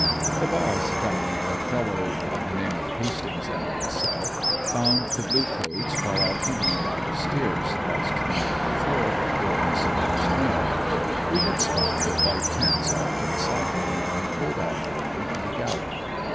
The boss, Dawdy, a fellow by the name of Hastings and myself found the "blue coats" while out hunting a lot of steers lost the night before during a severe storm. We had spied the white tents off to the southward and pulled out for them, in a gallop.